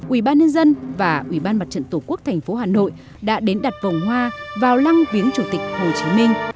ủy ban nhân dân và ủy ban mặt trận tổ quốc thành phố hà nội đã đến đặt vòng hoa vào lăng viếng chủ tịch hồ chí minh